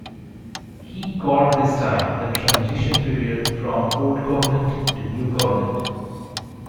He called this time "the transition period" from Old Covenant to New Covenant.